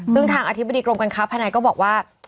ซึ่งทางอธิบดีกรมการค้าภายในก็บอกว่า